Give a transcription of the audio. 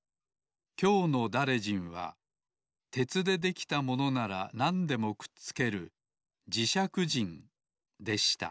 きょうのだれじんはてつでできたものならなんでもくっつけるじしゃくじんでした